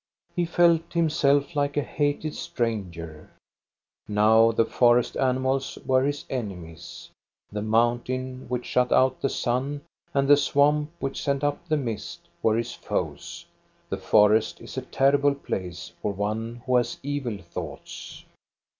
He felt himself like a hated stranger. Now the forest animals were his enemies. The mountain, which shut out the sun, and the swamp, which sent up the mist, were his foes. The forest is a terrible place for one who has evil thoughts.